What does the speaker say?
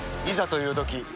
いざというとき